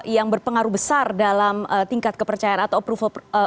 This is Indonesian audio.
yang berpengaruh besar dalam tingkat kepercayaan atau approval